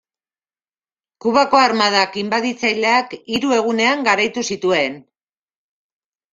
Kubako armadak inbaditzaileak hiru egunean garaitu zituen.